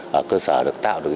và cơ sở được tạo được